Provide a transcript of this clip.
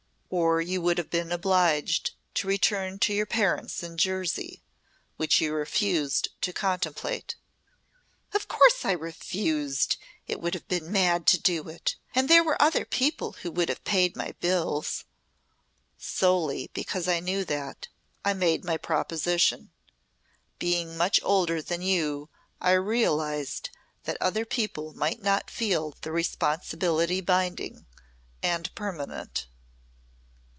"Or you would have been obliged to return to your parents in Jersey which you refused to contemplate." "Of course I refused. It would have been mad to do it. And there were other people who would have paid my bills." "Solely because I knew that, I made my proposition. Being much older than you I realised that other people might not feel the responsibility binding and permanent."